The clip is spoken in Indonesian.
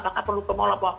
pakak perlu ke mall apa